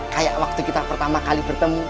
kayak waktu kita pertama kali bertemu